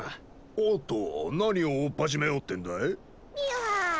おっと何をおっぱじめようってんだい？